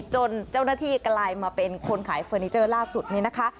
จนเจ้าหน้าที่กลายมาเป็นคนขายเฟอร์นิเจอร์ล่าสุดนี้นะคะ